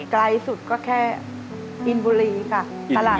ไกลสุดก็แค่อินบุรีค่ะตลาด